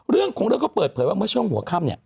เรื่องของเรื่องเขาเปิดเผยว่าเมื่อช่วงหัวค่ำเนี่ย